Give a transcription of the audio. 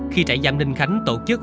khi trại giam ninh khánh tổ chức